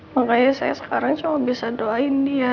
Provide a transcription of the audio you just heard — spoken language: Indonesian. makanya saya sekarang cuma bisa doain dia